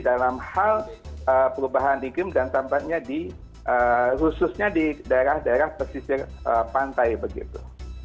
dalam hal perubahan iklim dan tampaknya di khususnya di daerah daerah pesisir pantai begitu